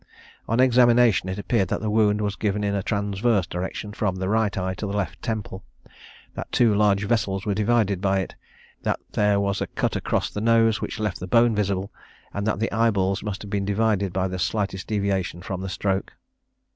On examination, it appeared that the wound was given in a transverse direction, from the right eye to the left temple; that two large vessels were divided by it; that there was a cut across the nose, which left the bone visible; and that the eye balls must have been divided by the slightest deviation from the stroke.